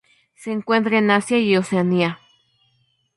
Se encuentran en Asia y Oceanía.